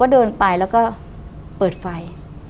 เดินไปแล้วก็เปิดไฟ